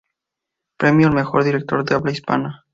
Premio al mejor director de habla hispana